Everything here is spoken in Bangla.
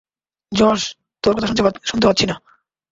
জশ, তোর কথা শুনতে পাচ্ছি না!